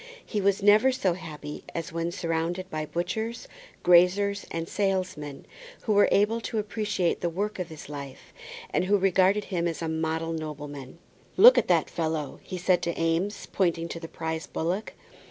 He was never so happy as when surrounded by butchers, graziers, and salesmen who were able to appreciate the work of his life, and who regarded him as a model nobleman. "Look at that fellow," he said to Eames, pointing to the prize bullock.